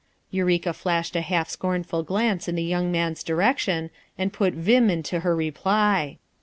Eureka flashed a half scornful glance in the young man's direction and put vim into her reply.